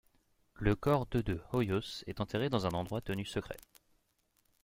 Le corps de de Hoyos est enterré dans un endroit tenu secret.